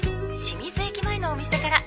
清水駅前のお店から。